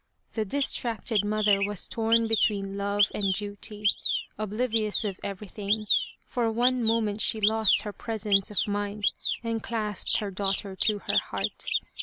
The distracted mother was torn between love and duty. Oblivious of everything, for one moment she lost her presence of mind and clasped her daughter to her heart.